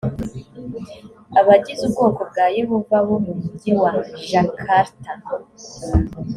abagize ubwoko bwa yehova bo mu mugi wa jakarta